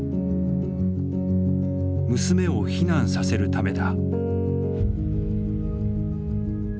娘を避難させるためだ。